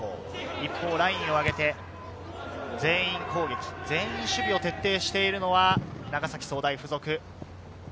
一方、ラインを上げて全員攻撃、全員守備を徹底している長崎総大附属。